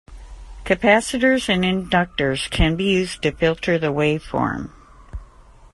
Capacitors and inductors can be used to filter the waveform.